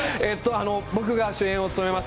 僕が主演を務めます